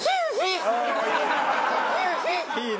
いいね！